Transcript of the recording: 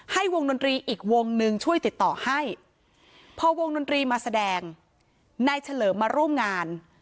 วงดนตรีอีกวงหนึ่งช่วยติดต่อให้พอวงดนตรีมาแสดงนายเฉลิมมาร่วมงาน